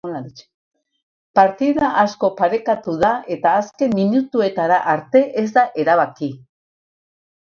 Partida asko parekatu da eta azken minutuetara arte ez da erabaki.